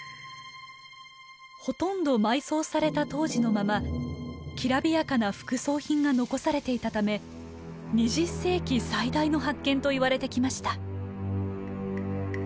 ほとんど埋葬された当時のままきらびやかな副葬品が残されていたため「２０世紀最大の発見」といわれてきました。